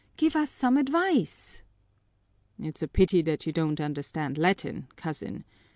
Give us some advice." "It's a pity that you don't understand Latin, cousin.